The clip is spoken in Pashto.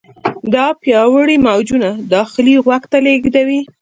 دا پیاوړي موجونه داخلي غوږ ته لیږدوي.